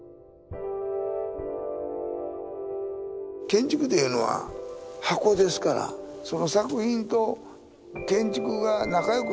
建築というのは箱ですからその作品と建築が仲良くする必要はない。